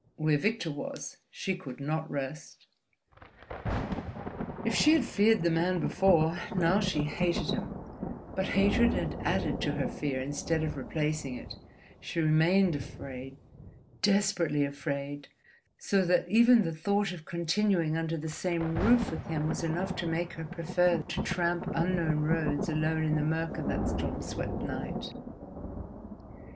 Where Victor was, she could not rest. If she had feared the man before, now she hated him; but hatred had added to her fear instead of replacing it, she remained afraid, desperately afraid, so that even the thought of continuing under the same roof with him was enough to make her prefer to tramp unknown roads alone in the mirk of that storm swept night.